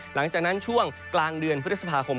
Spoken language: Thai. หลังจากนั้นช่วงกลางเดือนพฤษภาคม